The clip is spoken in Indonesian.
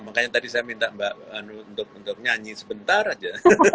makanya tadi saya minta mbak anu untuk nyanyi sebentar aja